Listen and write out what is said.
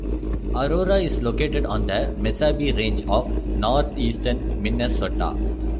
Aurora is located on the Mesabi Range of northeastern Minnesota.